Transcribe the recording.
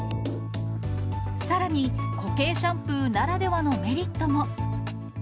さらに、固形シャンプーならではのメリットも。